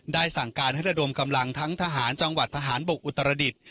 สั่งการให้ระดมกำลังทั้งทหารจังหวัดทหารบกอุตรดิษฐ์